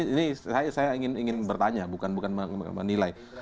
ini saya ingin bertanya bukan bukan menilai